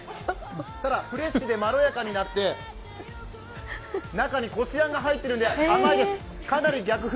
ただフレッシュでまろやかになって中にこしあんが入っているので甘いです、かなり逆風。